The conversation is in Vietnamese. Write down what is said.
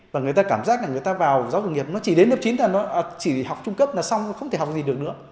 và người ta cảm giác là người ta vào giáo dục nghiệp nó chỉ đến lớp chín thôi chỉ học trung cấp là xong không thể học gì được nữa